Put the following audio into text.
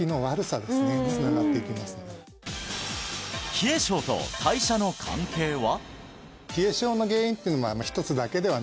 冷え性と代謝の関係は？